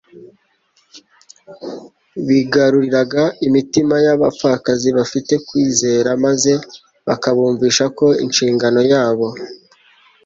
Bigaruriraga imitima y'abapfakazi bafite kwizera maze bakabumvisha ko inshingano yabo